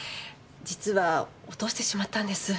実は落としてしまったんです。